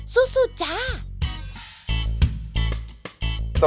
สู้จ้า